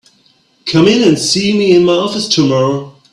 Come in and see me in my office tomorrow.